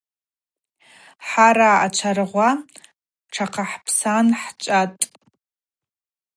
Хӏара ачаргъва тшахъахӏпсан хӏчӏватӏ.